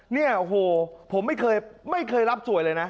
เนี่ยโอ้โหผมไม่เคยรับสวยเลยนะ